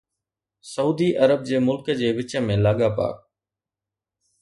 سعودي عرب جي ملڪ جي وچ ۾ لاڳاپا